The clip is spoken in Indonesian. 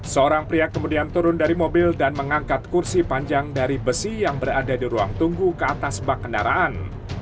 seorang pria kemudian turun dari mobil dan mengangkat kursi panjang dari besi yang berada di ruang tunggu ke atas bak kendaraan